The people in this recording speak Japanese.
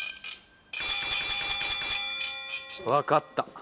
わかった。